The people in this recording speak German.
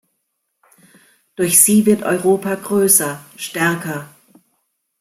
Durch sie wird Europa größer, stärker.